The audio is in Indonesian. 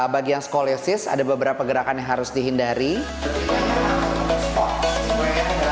bagi yang skoliosis ada beberapa gerakan yang tidak boleh dilakukan